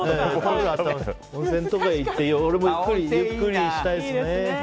温泉とか行って俺もゆっくりしたいですね。